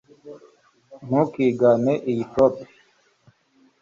Ntukigane iyi floppy